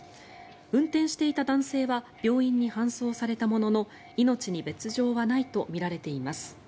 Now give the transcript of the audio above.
運転していた男性は病院に搬送されたものの命に別条はないとみられています。